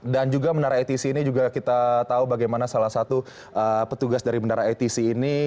dan juga menara atc ini juga kita tahu bagaimana salah satu petugas dari menara atc ini